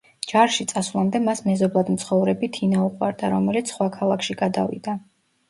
ჯარში წასვლამდე მას მეზობლად მცხოვრები თინა უყვარდა, რომელიც სხვა ქალაქში გადავიდა.